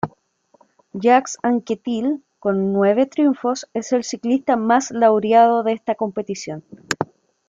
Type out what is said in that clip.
Jacques Anquetil, con nueve triunfos, es el ciclista más laureado de esta competición.